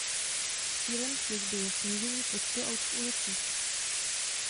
Cílem služby je snížení počtu aut v ulicích.